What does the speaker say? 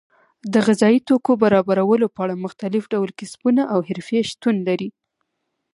د غذایي توکو برابرولو په اړه مختلف ډول کسبونه او حرفې شتون لري.